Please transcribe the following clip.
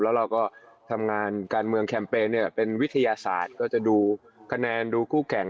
แล้วเราก็ทำงานการเมืองแคมเปญเนี่ยเป็นวิทยาศาสตร์ก็จะดูคะแนนดูคู่แข่ง